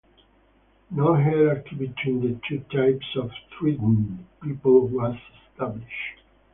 No hierarchy between the two types of threatened people was established.